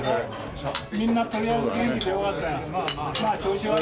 みんな、とりあえず元気でよかったよ。